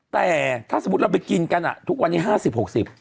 แต่ถ้าสมมุติเราไปกินกันอ่ะทุกวันนี้๕๐๖๐